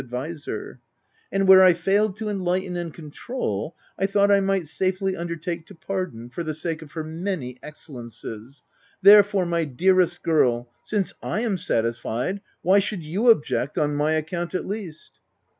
295 adviser, and where I failed to enlighten and controul, I thought I might safely undertake to pardon, for the sake of her many excellencies. Therefore, my dearest girl, since / am satisfied, why should you object — on my account, at least."